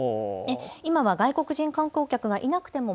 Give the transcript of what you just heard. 今は外国人観光客がいなくても